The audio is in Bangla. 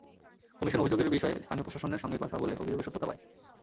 কমিশন অভিযোগের বিষয়ে স্থানীয় প্রশাসনের সঙ্গে কথা বলে অভিযোগের সত্যতা পায়।